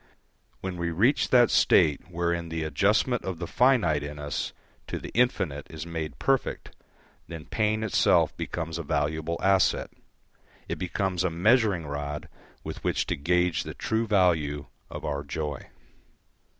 When we reach that state wherein the adjustment of the finite in us to the infinite is made perfect, then pain itself becomes a valuable asset. It becomes a measuring rod with which to gauge the true value of our joy.